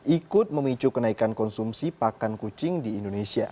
ikut memicu kenaikan konsumsi pakan kucing di indonesia